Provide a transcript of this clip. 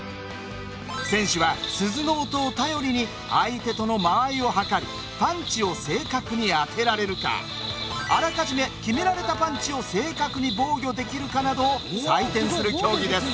選手は鈴の音を頼りに相手との間合いを測りパンチを正確に当てられるかあらかじめ決められたパンチを正確に防御できるかなどを採点する競技です。